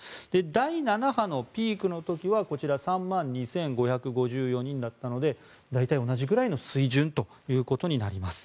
第７波のピークの時はこちら３万２５５４人だったので大体同じくらいの水準ということになります。